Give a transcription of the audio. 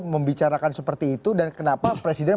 membicarakan seperti itu dan kenapa presiden